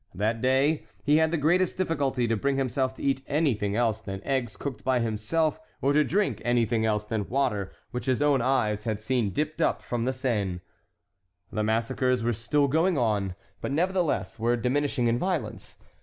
That day he had the greatest difficulty to bring himself to eat anything else than eggs cooked by himself or to drink anything else than water which his own eyes had seen dipped up from the Seine. The massacres were still going on, but nevertheless were diminishing in violence.